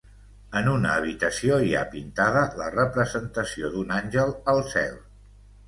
En una habitació hi ha pintada la representació d'un àngel al cel.